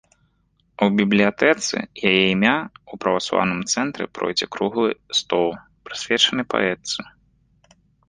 А ў бібліятэцы яе імя ў праваслаўным цэнтры пройдзе круглы стол, прысвечаны паэтцы.